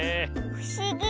ふしぎ。